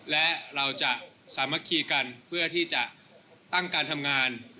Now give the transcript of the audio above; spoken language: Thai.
และเราจะสามัคคีกันเพื่อที่จะตั้งการทำงาน